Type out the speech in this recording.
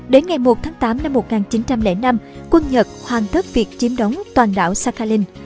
đến ngày một tháng tám năm một nghìn chín trăm linh năm quân nhật hoàn thất việc chiếm đóng toàn đảo sakhalin